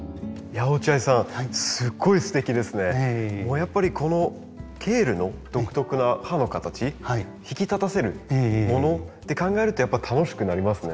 やっぱりこのケールの独特な葉の形引き立たせるものって考えるとやっぱ楽しくなりますね。